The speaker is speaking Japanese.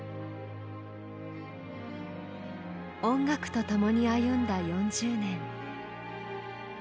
音楽と共に歩んだ４０年。